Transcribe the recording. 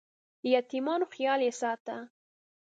د یتیمانو خیال یې ساته.